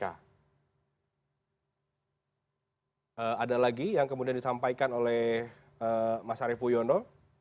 ada lagi yang kemudian disampaikan oleh mas arief puyono